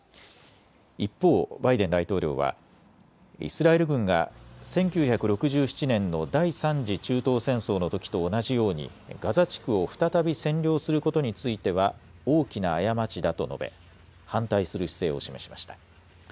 一方、バイデン大統領はイスラエル軍が１９６７年の第３次中東戦争のときと同じようにガザ地区を再び占領することについては大きな過ちだと述べ反対する姿勢を示しました。